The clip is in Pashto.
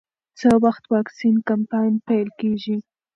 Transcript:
څه وخت واکسین کمپاین پیل کېږي؟